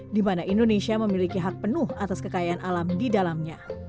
di mana indonesia memiliki hak penuh atas kekayaan alam di dalamnya